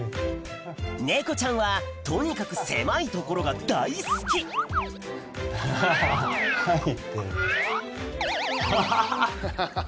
猫ちゃんはとにかく狭い所が大好きアハハハ。